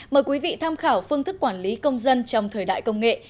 mời quý vị tham khảo phương thức quản lý công dân trong thời đại công nghệ